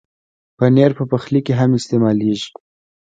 پنېر په پخلي کې هم استعمالېږي.